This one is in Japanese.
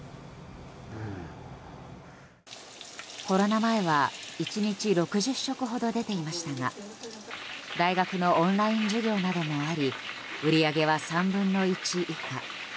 コロナ前は１日６０食ほど出ていましたが大学のオンライン授業などもあり売り上げは３分の１以下。